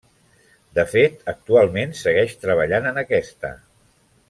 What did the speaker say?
De fet, actualment segueix treballant en aquesta.